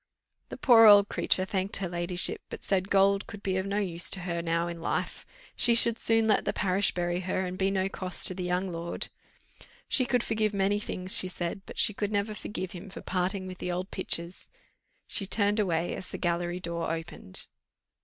The poor old creature thanked her ladyship, but said gold could be of no use to her now in life; she should soon let the parish bury her, and be no cost to the young lord. She could forgive many things, she said, but she could never forgive him for parting with the old pictures. She turned away as the gallery door opened.